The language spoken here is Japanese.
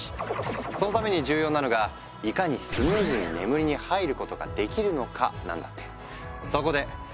そのために重要なのがいかにスムーズに眠りに入ることができるのかなんだって。